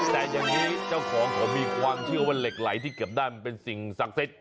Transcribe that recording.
แต่จากนี้เจ้าของเขามีความเชื่อว่าเหล็กไหล่ที่เก็บได้เป็นสิ่งสักเซ็ต